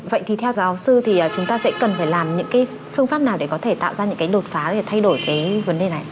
vậy thì theo giáo sư thì chúng ta sẽ cần phải làm những cái phương pháp nào để có thể tạo ra những cái đột phá để thay đổi cái vấn đề này